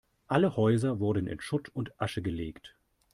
Alle Häuser wurden in Schutt und Asche gelegt.